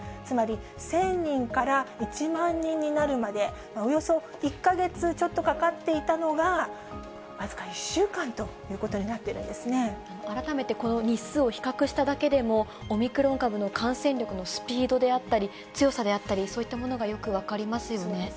つまり、１０００人から１万人になるまで、およそ１か月ちょっとかかっていたのが、僅か１週間ということに改めてこの日数を比較しただけでも、オミクロン株の感染力のスピードであったり、強さであったり、そういったものがよく分かりますよね。